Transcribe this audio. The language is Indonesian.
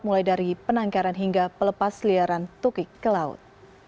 mulai dari penangkaran hingga pelepas liaran tukik ke laut